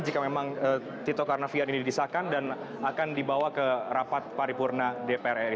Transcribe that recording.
jika memang tito karnavian ini disahkan dan akan dibawa ke rapat paripurna dpr ri